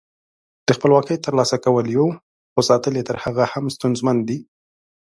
د خپلواکۍ تر لاسه کول یو، خو ساتل یې تر هغه هم ستونزمن دي.